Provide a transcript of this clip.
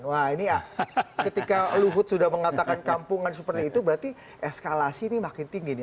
wah ini ketika luhut sudah mengatakan kampungan seperti itu berarti eskalasi ini makin tinggi nih